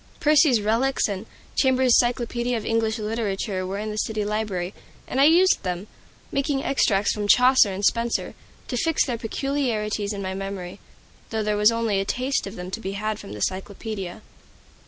"Percy's Reliques" and "Chambers' Cyclopoedia of English Literature" were in the city library, and I used them, making extracts from Chaucer and Spenser, to fix their peculiarities in my memory, though there was only a taste of them to be had from the Cyclopaedia.